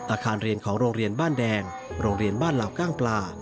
อาคารเรียนของโรงเรียนบ้านแดงโรงเรียนบ้านเหล่าก้างปลา